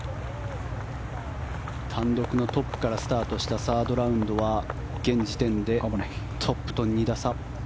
単独のトップからスタートしたサードラウンドは現時点でトップと２打差。